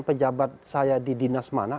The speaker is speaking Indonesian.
pejabat saya di dinas mana